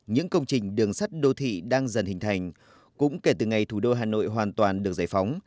những công trình đường sắt đô thị đang dần hình thành cũng kể từ ngày thủ đô hà nội hoàn toàn được giải phóng